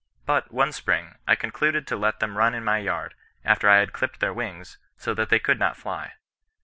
But, one spring, I concluded to let them run in my yard, after I had clipped their wings, so that they could not fly.